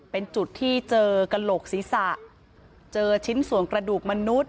เป็นจุดที่เจอกระโหลกศีรษะเจอชิ้นส่วนกระดูกมนุษย